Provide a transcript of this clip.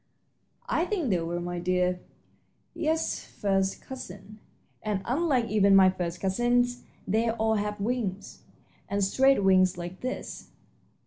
"I think they were, my dear. Yes, first cousins, and, unlike even my first cousins, they all have wings, and straight wings like this."